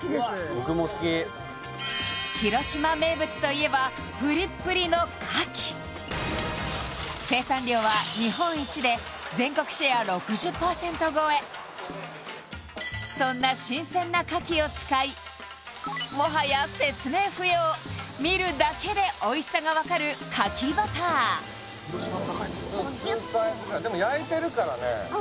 僕も好き広島名物といえばぷりっぷりのかき全国シェア６０％超えそんな新鮮なかきを使いもはや説明不要見るだけでおいしさが分かる牡蠣バター・広島の高いですよでも焼いてるからね